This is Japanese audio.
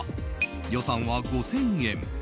予算は５０００円。